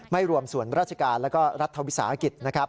ไม่รวมส่วนราชการและก็รัฐวิสาหกิจ